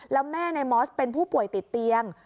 แล้วแม่นายมอสเป็นผู้ป่วยติดเตียง